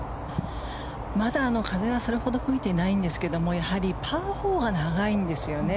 まだ風はそれほど吹いていないんですがやはり、パー４が長いんですよね。